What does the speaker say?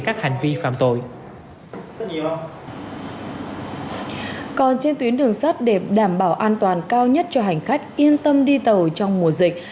còn trên tuyến đường sắt để đảm bảo an toàn cao nhất cho hành khách yên tâm đi tàu trong mùa dịch